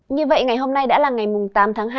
như vậy ngày hôm nay đã là ngày tám tháng hai